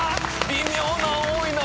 微妙なん多いな。